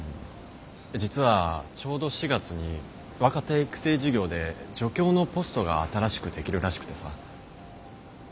実はちょうど４月に若手育成事業で助教のポストが新しく出来るらしくてさ。